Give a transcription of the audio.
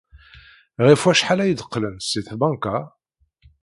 Ɣef wacḥal ay d-qqlent seg tbanka?